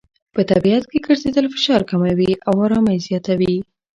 په طبیعت کې ګرځېدل فشار کموي او آرامۍ زیاتوي.